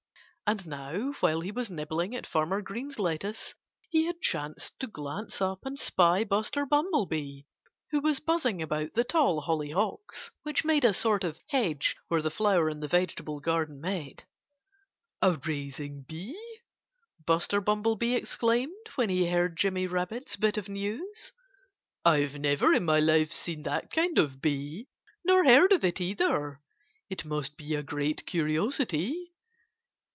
And now, while he was nibbling at Farmer Green's lettuce, he had chanced to glance up and spy Buster Bumblebee, who was buzzing about the tall hollyhocks, which made a sort of hedge where the flower and the vegetable garden met. "A raising bee!" Buster Bumblebee exclaimed, when he heard Jimmy Rabbit's bit of news. "I've never in my life seen that kind of bee nor heard of it, either.... It must be a great curiosity."